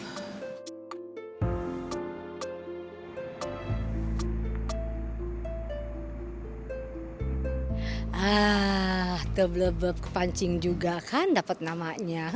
ah teblebeb kepancing juga kan dapat namanya